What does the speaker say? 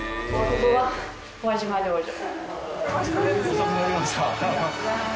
遅くなりました。